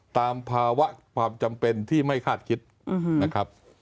ตามภาวะความจำเป็นที่ไม่คาดคิดนะครับ